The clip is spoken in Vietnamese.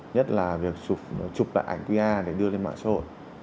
nhất là việc chụp lại ảnh qr để đưa lên mạng xã hội